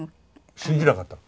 信じなかったの。